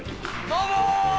「どうも！」